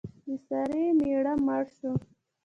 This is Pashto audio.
د سارې مېړه مړ شو.